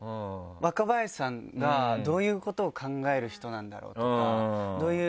若林さんがどういうことを考える人なんだろう？とかどういう何ていうの？